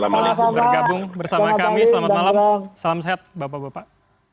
selamat bergabung bersama kami selamat malam salam sehat bapak bapak